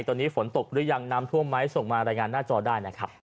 ตอนนี้ฝนตกหรือยังน้ำท่วมไหมส่งมารายงานหน้าจอได้นะครับ